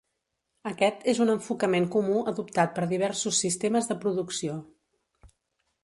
Aquest és un enfocament comú adoptat per diversos sistemes de producció.